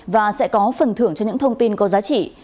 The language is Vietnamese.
và sẽ có phần thưởng cho những thông tin có giá trị